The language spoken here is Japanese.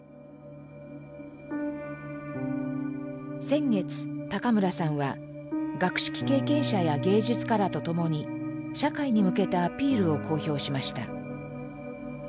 先月村さんは学識経験者や芸術家らと共に社会に向けたアピールを公表しました。